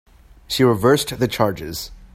She reversed the charges.